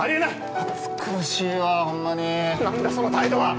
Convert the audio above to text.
暑苦しいわほんまに何だその態度は！？